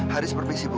haris permisi bu